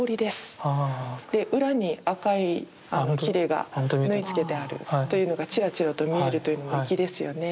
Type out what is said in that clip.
裏に赤いきれが縫い付けてあるというのがチラチラと見えるというのも粋ですよね。